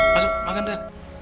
masuk makan ren